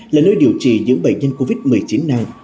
là nơi điều trị những bệnh nhân covid một mươi chín nặng